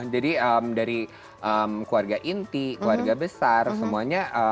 jadi dari keluarga inti keluarga besar semuanya